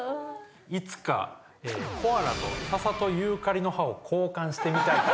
「いつかコアラと笹とユーカリの葉を交換してみたい」と。